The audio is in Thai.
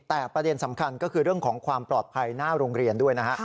แต่ประเด็นสำคัญก็คือเรื่องของความปลอดภัยหน้าโรงเรียนด้วยนะฮะ